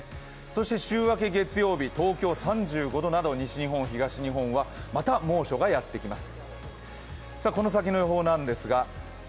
そして週明け・月曜日東京３５度など西日本、東日本はまた猛暑がやってきます。